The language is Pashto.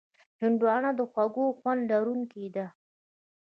هندوانه د خوږ خوند لرونکې ده.